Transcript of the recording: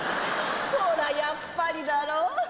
ほらやっぱりだろ。